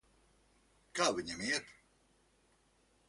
Kā viņam iet?